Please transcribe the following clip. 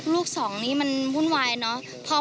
สองนี้มันวุ่นวายเนอะ